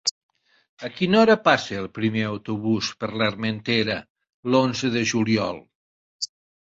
A quina hora passa el primer autobús per l'Armentera l'onze de juliol?